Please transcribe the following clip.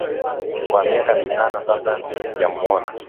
Kwa miaka mitano sasan sijamwona